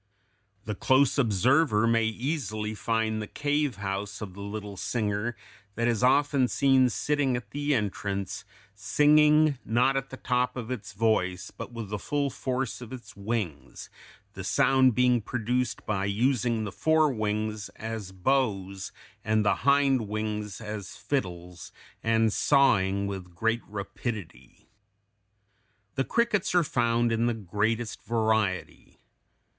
The close observer may easily find the cave house of the little singer that is often seen sitting at the entrance, singing, not at the top of its voice, but with the full force of its wings, the sound being produced by using the fore wings, as bows and the hind wings as fiddles, and sawing with great rapidity. The crickets are found in the greatest variety.